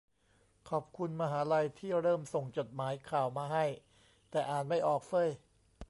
ขอบคุณมหาลัยที่เริ่มส่งจดหมายข่าวมาให้ แต่อ่านไม่ออกเฟ้ย